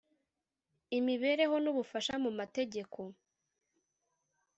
imibereho n ubufasha mu mategeko